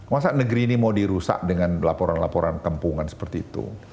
masa negeri ini mau dirusak dengan laporan laporan kempungan seperti itu